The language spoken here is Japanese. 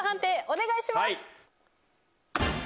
お願いします。